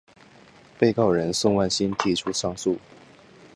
被告人宋万新提出上诉。